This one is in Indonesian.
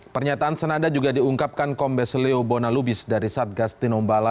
pernyataan senada juga diungkapkan kombe seleo bonalubis dari satgas tinombala